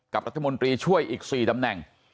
รัฐมนตรีช่วยอีก๔ตำแหน่ง